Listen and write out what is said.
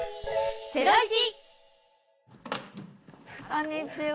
こんにちは。